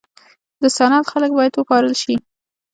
د سند خلک باید وپارول شي.